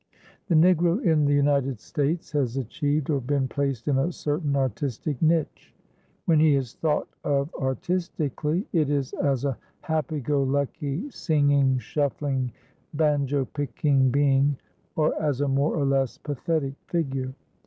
The Negro in the United States has achieved or been placed in a certain artistic niche. When he is thought of artistically, it is as a happy go lucky, singing, shuffling, banjo picking being or as a more or less pathetic figure.